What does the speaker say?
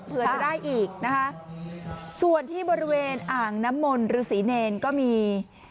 เผื่อจะได้อีกนะคะส่วนที่บริเวณอ่างน้ำมนต์ฤษีเนรก็มี